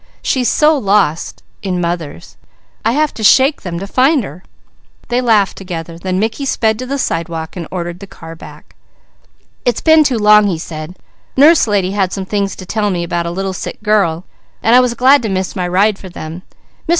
She's so lost in mother's, I have to shake them to find her!" They laughed together, then Mickey sped to the sidewalk and ordered the car back. "I've been too long," he said. "Nurse Lady had some things to tell me about a little sick girl and I was glad to miss my ride for them. Mr.